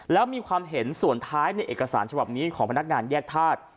แล้วมีความเห็นส่วนท้ายในเอกสารฉบับนี้ของพนักงานแยกธาตุ